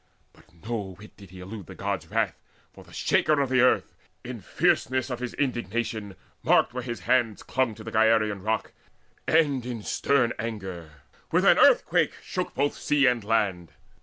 But no whit did he Elude the Gods' wrath; for the Shaker of Earth In fierceness of his indignation marked Where his hands clung to the Gyraean Rock, And in stern anger with an earthquake shook Both sea and land.